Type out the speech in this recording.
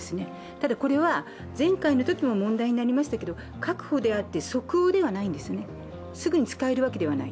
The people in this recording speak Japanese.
ただこれは前回のときも問題になりましたが確保であって、すぐに使えるわけではない。